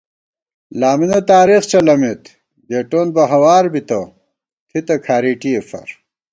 لامِنہ تارېخ چَلَمېت گېٹون بہ ہوار بِتہ تھِتہ کھارېٹِئےفار